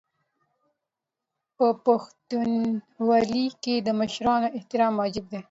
په پښتونولۍ کې د مشرانو احترام واجب دی.